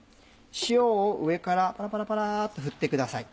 塩を上からパラパラっと振ってください。